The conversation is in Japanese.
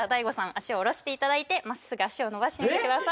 脚を下ろしていただいてまっすぐ脚を伸ばしてみてください